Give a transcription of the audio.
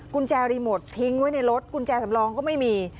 กุญแจรีโมททิ้งไว้ในรถกุญแจสำรองก็ไม่มี